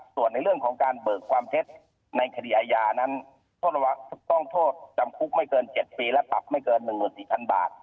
ส่วนในเรื่องของการเบิกความเท็จในคดีอาญานั้นต้องโทษจำคุกไม่เกิน๗ปีและปรับไม่เกิน๑๔๐๐๐บาท